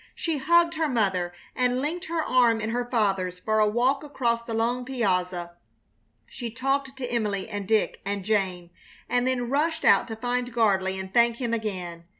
She hugged her mother and linked her arm in her father's for a walk across the long piazza; she talked to Emily and Dick and Jane; and then rushed out to find Gardley and thank him again.